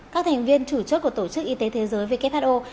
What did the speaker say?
các thành viên chủ chốt của tổ chức y tế thế giới who